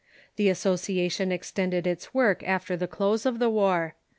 The Associa tion extended its work after the close of the war.